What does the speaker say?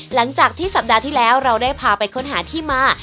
หลังจากที่สัปดาห์ที่แล้วเราได้พาไปค้นหาที่มา